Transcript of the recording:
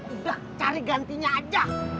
udah cari gantinya aja